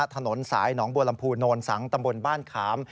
ถนนสายหนองบัวลำพูโนนสังตำบลบ้านขาม